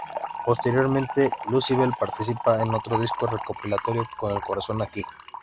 Posteriormente, Lucybell participa en otro disco recopilatorio: Con el Corazón Aquí.